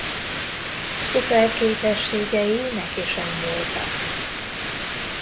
Szuperképességei neki sem voltak.